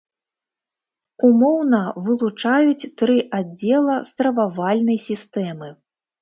Умоўна вылучаюць тры аддзела стрававальнай сістэмы.